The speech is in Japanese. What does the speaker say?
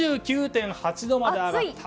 ４９．８度まで上がった。